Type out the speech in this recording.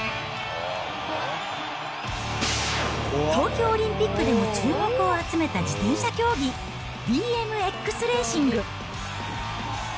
東京オリンピックでも注目を集めた自転車競技、ＢＭＸレーシング。